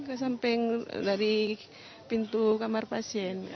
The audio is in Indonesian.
ke samping dari pintu kamar pasien